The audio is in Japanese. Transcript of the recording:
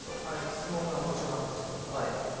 質問がもちろんあるんですけども。